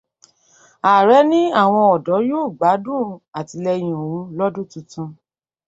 Ààrẹ ní àwọn ọ̀dọ́ yóò gbádùn àtìlẹyìn òun lọ́dún tuntun